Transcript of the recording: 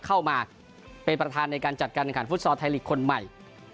เข้ามาเป็นประธานในการจัดการพุทธซอธิบดีที่คนใหม่